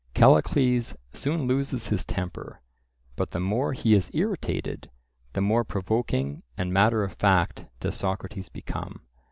Callicles soon loses his temper, but the more he is irritated, the more provoking and matter of fact does Socrates become.